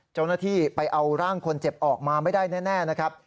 เจ้าหน้าที่ไปเอาร่างคนเจ็บออกมาไม่ได้แน่นะครับ